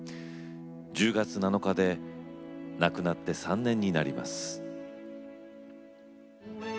１０月７日で亡くなって３年になります。